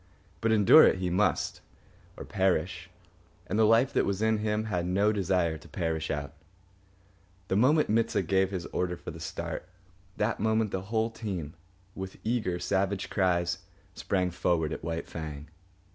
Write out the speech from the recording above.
But endure it he must, or perish, and the life that was in him had no desire to perish out. The moment Mit sah gave his order for the start, that moment the whole team, with eager, savage cries, sprang forward at White Fang.